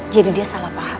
jadi dia salah paham